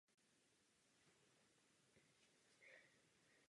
Po odstranění toho čísla ze zásobníku se dostává na vrchol číslo uložené pod ním.